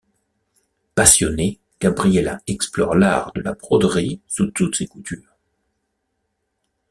Passionnée, Gabriella explore l’art de la broderie sous toutes ses coutures.